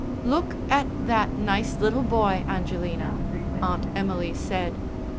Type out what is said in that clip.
"Look at that nice little boy, Angelina," Aunt Emily said.